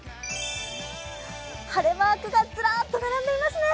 晴れマークがずらっと並んでいますね！